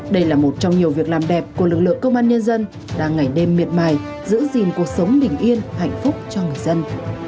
đây là một trong nhiều việc làm đẹp của lực lượng công an nhân dân đang ngày đêm miệt mài giữ gìn cuộc sống bình yên hạnh phúc cho người dân